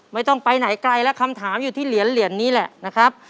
ไม่ต้องไปไหนไกลแล้วคำถามอยู่ที่เหรียญนี้แหละนะครับ